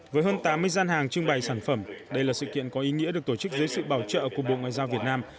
với hơn tám mươi gian hàng trưng bày sản phẩm đây là sự kiện có ý nghĩa được tổ chức dưới sự bảo trợ của bộ ngoại giao việt nam